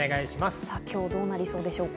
今日どうなりそうですか？